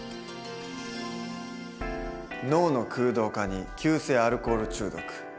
脳の空洞化に急性アルコール中毒。